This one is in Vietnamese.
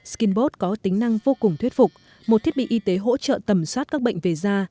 skipbot có tính năng vô cùng thuyết phục một thiết bị y tế hỗ trợ tầm soát các bệnh về da